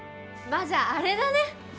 まあじゃああれだね。